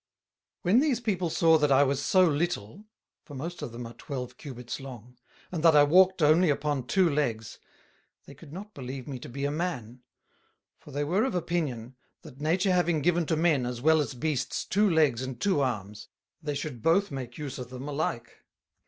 When these People saw that I was so little, (for most of them are Twelve Cubits long,) and that I walked only upon Two Legs, they could not believe me to be a Man: For they were of opinion, that Nature having given to men as well as Beasts Two Legs and Two Arms, they should both make use of them alike.